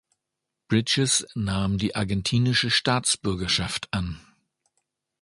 Bridges nahm die argentinische Staatsbürgerschaft an.